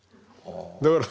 だから。